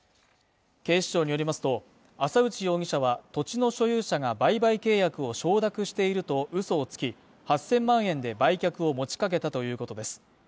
警視庁によりますと浅内容疑者は土地の所有者が売買契約を承諾していると嘘をつき８０００万円で売却を持ちかけたということです